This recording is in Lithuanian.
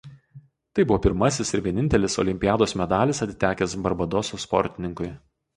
Tai buvo pirmasis ir vienintelis olimpiados medalis atitekęs Barbadoso sportininkui.